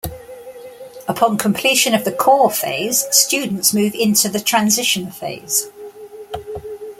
Upon completion of the core phase, students move into the transition phase.